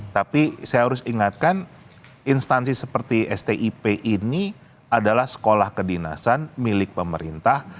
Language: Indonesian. tapi saya harus ingatkan instansi seperti stip ini adalah sekolah kedinasan milik pemerintah